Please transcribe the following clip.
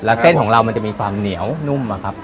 แล้วเส้นของเรามันจะมีความเหนียวนุ่มอะครับ